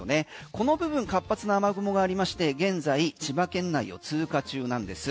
この部分活発な雨雲がありまして現在、千葉県内を通過中なんです。